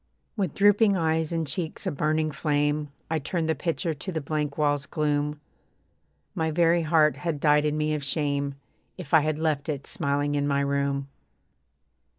With drooping eyes, and cheeks a burning flame, I turned the picture to the blank wall's gloom. My very heart had died in me of shame, If I had left it smiling in my room.